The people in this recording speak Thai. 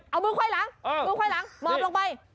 เอามือไข้หลังมอบลงไปคำพูดนี่